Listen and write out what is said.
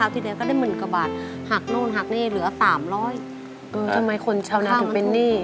ทำไมคนชาวนาถึงเป็นนี่